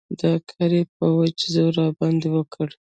دا کار يې په وچ زور راباندې وکړ.